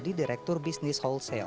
selamat meng sigma